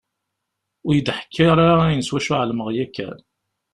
Ur yi-d-ḥekku ara ayen s wacu εelmeɣ yakan.